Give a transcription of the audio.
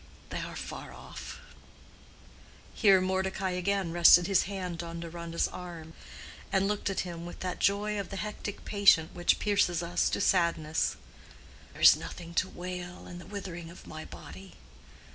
—they are far off"—here Mordecai again rested his hand on Deronda's arm, and looked at him with that joy of the hectic patient which pierces us to sadness—"there is nothing to wail in the withering of my body.